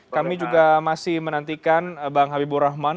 kami juga masih menantikan bang habibur rahman